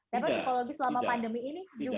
dampak psikologis selama pandemi ini juga